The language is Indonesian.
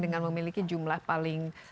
dengan memiliki jumlah paling